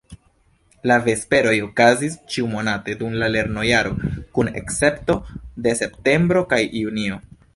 La Vesperoj okazis ĉiumonate dum la lernojaro kun escepto de septembro kaj junio.